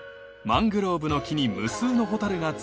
マングローブの木に無数のホタルが集い